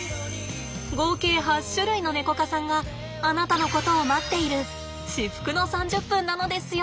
合計８種類のネコ科さんがあなたのことを待っている至福の３０分なのですよ。